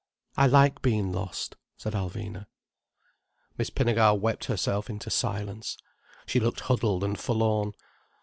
"I like being lost," said Alvina. Miss Pinnegar wept herself into silence. She looked huddled and forlorn.